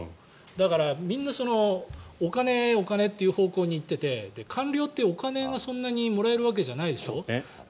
だから、みんなお金、お金という方向に行ってて官僚ってお金がそんなにもらえるわけじゃないでしょ。